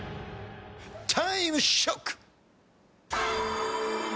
タイムショック！